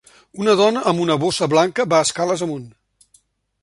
Una dona amb una bossa blanca va escales amunt.